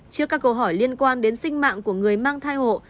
trước các câu hỏi liên quan đến sinh mạng của người mang thai hộ